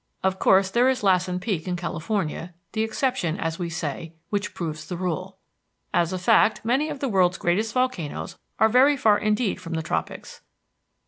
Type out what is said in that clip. Of course there is Lassen Peak in California the exception, as we say, which proves the rule. As a fact, many of the world's greatest volcanoes are very far indeed from the tropics.